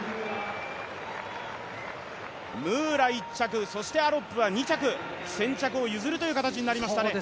ムーラ１着、そしてアロップは２着、先着を譲る形となりましたね。